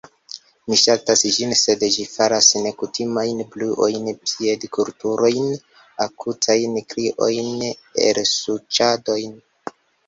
Mi ŝaltas ĝin, sed ĝi faras nekutimajn bruojn: piedetkurojn, akutajn kriojn, elsuĉadon...